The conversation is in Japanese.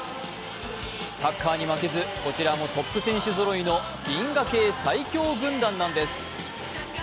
サッカーに負けず、こちらもトップ選手ぞろいの銀河系最強軍団なんです。